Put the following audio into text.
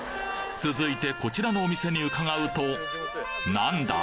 続いてこちらのお店に伺うとなんだ！？